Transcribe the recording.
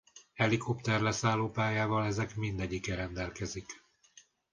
Helikopter-leszállópályával ezek mindegyike rendelkezik.